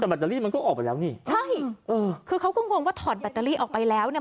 แต่แบตเตอรี่มันก็ออกไปแล้วนี่ใช่เออคือเขาก็งงว่าถอดแบตเตอรี่ออกไปแล้วเนี่ย